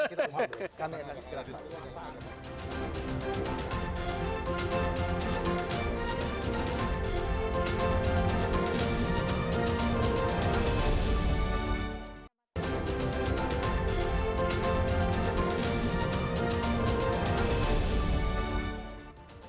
karena ini masih berarti